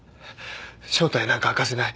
正体なんか明かせない。